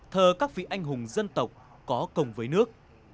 thờ các vị anh hùng dân tộc có công với nước